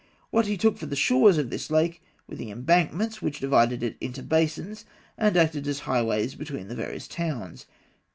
What he took for the shores of this lake were the embankments which divided it into basins and acted as highways between the various towns.